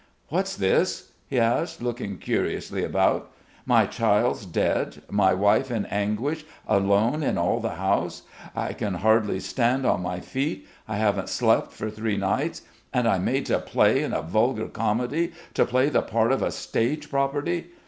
"What's this?" he asked, looking curiously about. "My child's dead. My wife in anguish, alone in all the house.... I can hardly stand on my feet, I haven't slept for three nights ... and I'm made to play in a vulgar comedy, to play the part of a stage property!